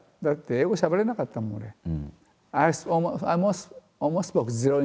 だって英語しゃべれなかったもん俺。